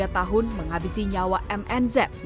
dua puluh tiga tahun menghabisi nyawa mnz